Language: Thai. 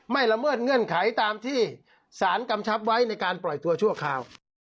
ละเมิดเงื่อนไขตามที่สารกำชับไว้ในการปล่อยตัวชั่วคราว